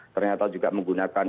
ternyata juga menggunakan